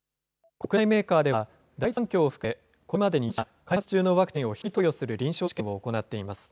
国内メーカーでは、第一三共を含めて、これまでに４社が開発中のワクチンをヒトに投与する臨床試験を行っています。